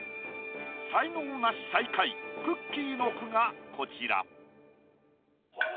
才能ナシ最下位くっきー！の句がこちら。